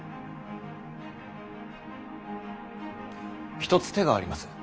一つ手があります。